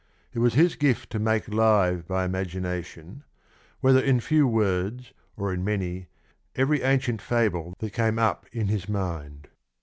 ... It was his gift to make live by imagination, whether in few words or in many, every ancient fable that came up in his mind."